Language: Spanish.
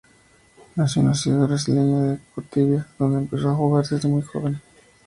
Nació en la ciudad brasileña de Curitiba, dónde empezó a jugar desde muy joven.